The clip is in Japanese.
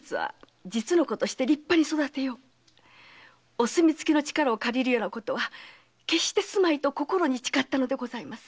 “お墨付きの力を借りるようなことは決してすまい”と心に誓ったのでございます。